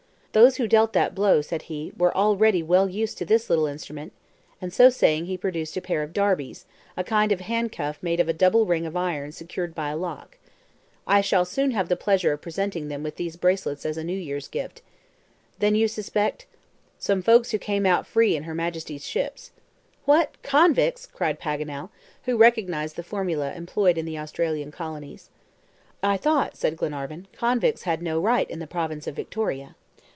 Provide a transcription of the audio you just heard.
"Those who dealt that blow," said he, "were already well used to this little instrument"; and so saying he produced a pair of "darbies," a kind of handcuff made of a double ring of iron secured by a lock. "I shall soon have the pleasure of presenting them with these bracelets as a New Year's gift." "Then you suspect " "Some folks who came out free in Her Majesty's ships." "What! convicts?" cried Paganel, who recognized the formula employed in the Australian colonies. "I thought," said Glenarvan, "convicts had no right in the province of Victoria."